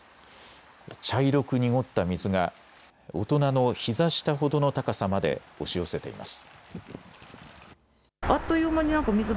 茶色く濁った水が大人のひざ下ほどの高さまで押し寄せています。